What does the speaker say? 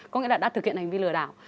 có nghĩa là đã thực hiện hành vi lừa đảo